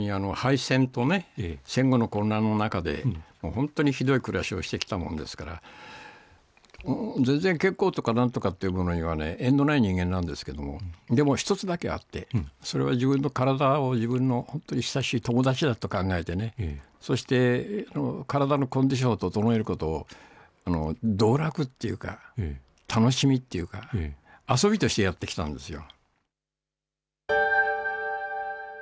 本当にひどい暮らしをしてきたもんですから、全然健康とかなんとかっていうものにはね、縁のない人間なんですけども、でも１つだけあって、それは自分の体を、自分の本当に親しい友達だと考えてね、そして体のコンディションを整えることを、道楽っていうか、楽しみっていうか、遊びとしてやってきたんですよ。